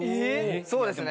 そうですね。